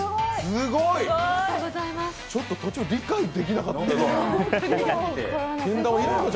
ちょっと途中、理解できなかった。